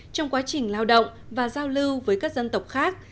trong quá trình lao động và giao lưu với các dân tộc khác